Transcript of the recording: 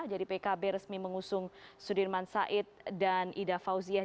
jadi pkb resmi mengusung sudirman said dan ida fauziah